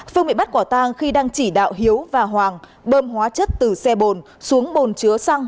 phương bị bắt quả tang khi đang chỉ đạo hiếu và hoàng bơm hóa chất từ xe bồn xuống bồn chứa xăng